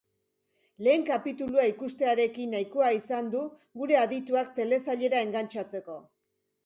Lehen kapitulua ikustearekin nahikoa izan du gure adituak telesailera engantxatzeko.